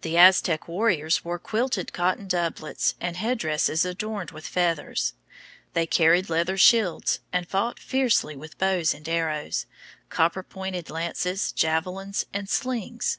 The Aztec warriors wore quilted cotton doublets and headdresses adorned with feathers. They carried leather shields, and fought fiercely with bows and arrows, copper pointed lances, javelins, and slings.